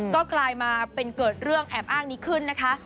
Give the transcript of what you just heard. ก็กลายมาเป็นเกิดเรื่องแอบอ้างนี้ขึ้นนะคะ